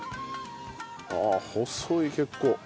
あっ細い結構。